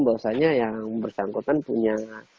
bahwasanya yang bersangkutan punya